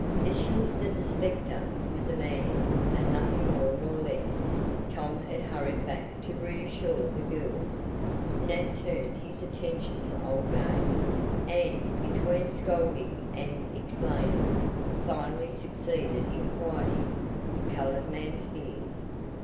Assured that the specter was a man and nothing more nor less, Tom had hurried back to reassure the girls. Nat turned his attention to old Abe, and, between scolding and explaining, finally succeeded in quieting the colored man's fears.